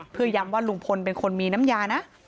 เพื่อย้ำว่าลุงพลเป็นคนมีน้ำยานะ